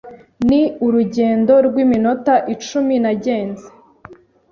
Ni urugendo rw'iminota icumi nagenze."